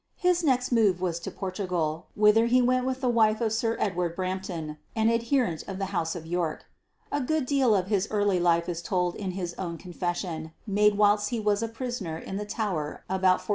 His next move was to Portugal, whither he went with the wife of Sir Edward Brampton, an adherent of the House of York. A good deal of his early life is told in his own confession made whilst he was a prisoner in the Tower about 1497.